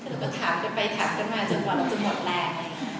หนูก็ถามกันไปถามกันมาจนกว่าเราจะหมดแรง